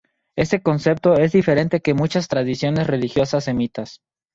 Este concepto es diferente que muchas tradiciones religiosas semitas.